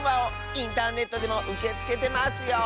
インターネットでもうけつけてますよ。